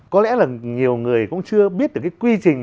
có lẽ là nhiều người cũng chưa biết được cái quy trình